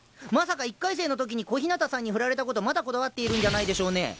まさか１回生の時に小日向さんに振られた事まだこだわっているんじゃないでしょうね。